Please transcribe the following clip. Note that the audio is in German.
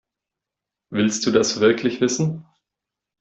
Willst du das wirklich wissen?